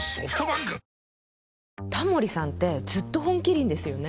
タモリさんってずっと「本麒麟」ですよね。